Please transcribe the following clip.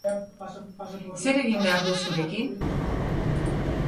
Zer egin behar dut zurekin?